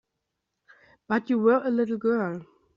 But you were a little girl.